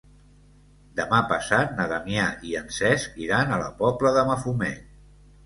Demà passat na Damià i en Cesc iran a la Pobla de Mafumet.